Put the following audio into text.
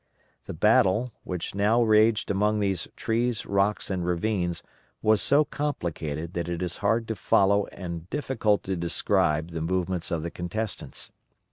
The battle which now raged among these trees, rocks, and ravines was so complicated that it is hard to follow and difficult to describe the movements of the contestants.